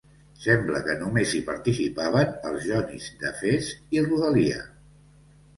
Sembla que només hi participaven els jonis d'Efes i rodalia.